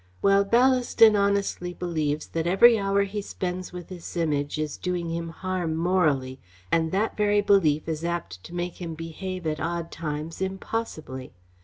"Well, Ballaston honestly believes that every hour he spends with this Image is doing him harm morally and that very belief is apt to make him behave at odd times impossibly.